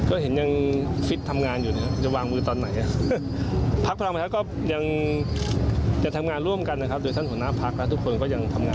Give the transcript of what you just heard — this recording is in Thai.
พักแล้วทุกคนก็ยังทำงานก็เหมือนยังยืนใจว่ามันยังมีรุ่งความแน่นอน